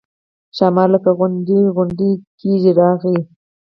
ښامار لکه غونډی غونډی کېږي راغی.